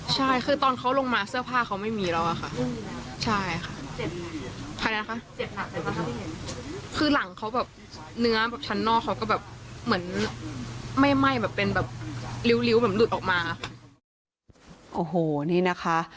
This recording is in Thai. ใช่คือตอนเขาลงมาเสื้อผ้าเขาไม่มีแล้วอะค่ะใช่ค่ะคือหลังเขาแบบเนื้อแบบชั้นนอกเขาก็แบบเหมือนไม่ไหม้แบบเป็นแบบริ้วแบบหลุดออกมาค่ะโอ้โหนี่นะคะ